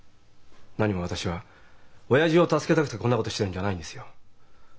なにも私は親父を助けたくてこんなことしてるんじゃないんですよ。